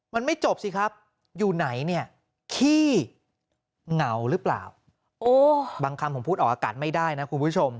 มันไม่จบสิครับอยู่ไหนเนี่ยขี้เหงาหรือเปล่าบางคำผมพูดออกอากาศไม่ได้นะคุณผู้ชม